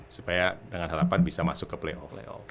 supaya dengan harapan bisa masuk ke playoff layoff